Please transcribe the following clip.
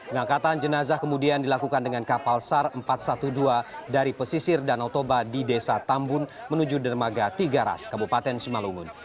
ngangkatan jenazah kemudian dilakukan dengan kapal sar empat ratus dua belas dari pesisir danau toba di desa tambun menuju dermaga tiga ras kabupaten sumalungun